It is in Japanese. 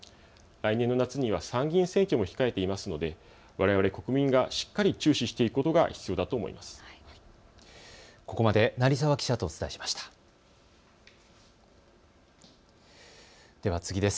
来年の夏には参議院選挙が控えていますのでわれわれ国民がしっかり注視していくことが必要だと思います。